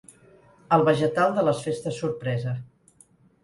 El vegetal de les festes sorpresa.